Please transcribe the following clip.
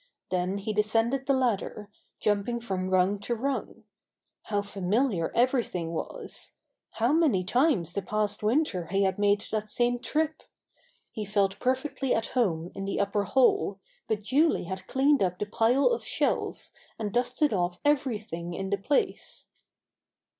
Then he descended the ladder, jumping from rung to rung. How familiar everything wasl How many times the past winter he had made that same trip I He felt perfectly at home in the upper hall, but Julie had cleaned up the pile of shells and dusted off everything in the place.